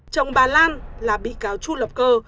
chồng bà lan là bị cáo chu lập cơ